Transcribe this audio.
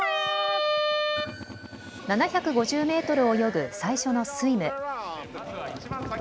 ７５０メートルを泳ぐ最初のスイム。